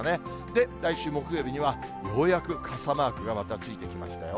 で、来週木曜日にはようやく傘マークがまたついてきましたよ。